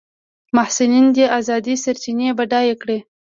محصلین دي ازادې سرچینې بډایه کړي.